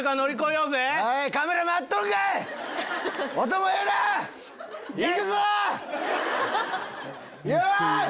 よい！